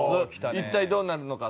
一体どうなるのか？